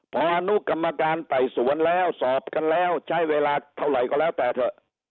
พออนุกรรมการไต่สวนแล้วสอบกันแล้วใช้เวลาเท่าไหร่ก็แล้วแต่เถอะ